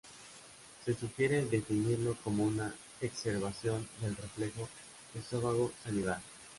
Se sugiere definirlo como una exacerbación del reflejo esófago-salivar.